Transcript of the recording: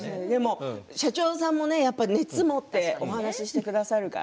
社長さんも熱を持ってお話ししてくださるから。